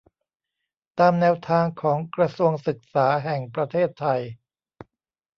ตามแนวทางของกระทรวงศึกษาแห่งประเทศไทย